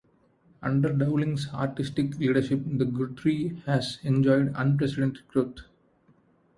Under Dowling's artistic leadership, the Guthrie has enjoyed unprecedented growth.